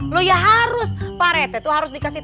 lu ya harus paret itu harus dikasih